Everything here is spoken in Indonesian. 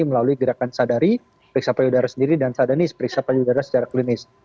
melalui gerakan sadari periksa payudara sendiri dan sadanis periksa payudara secara klinis